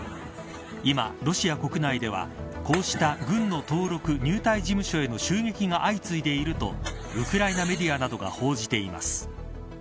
今ロシア国内では、こうした軍の登録・入隊事務所への襲撃が相次いでいるとウクライナメディアなどが報じています。